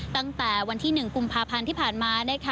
ตั้งแต่วันที่๑กุมภาพันธ์ที่ผ่านมา